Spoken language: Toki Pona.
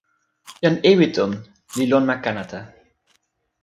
jan Ewinton li lon ma Kanata!